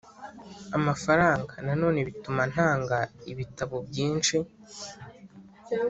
amafaranga Nanone bituma ntanga ibitabo byinshi